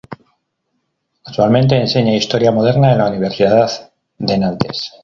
Actualmente, enseña historia moderna en la Universidad de Nantes.